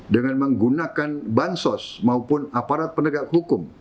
dengan menggunakan bansos maupun aparat penegak hukum